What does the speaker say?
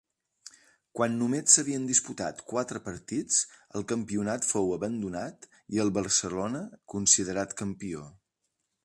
Quan només s'havien disputat quatre partits el campionat fou abandonat i el Barcelona considerat campió.